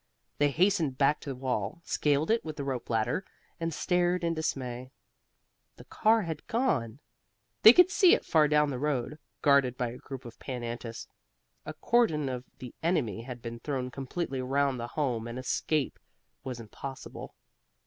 They hastened back to the wall, scaled it with the rope ladder and stared in dismay. The car had gone. They could see it far down the road, guarded by a group of Pan Antis. A cordon of the enemy had been thrown completely round the Home and escape was impossible.